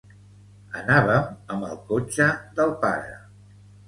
Anàvem amb el cotxe del pare.